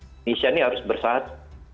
indonesia ini harus bersaat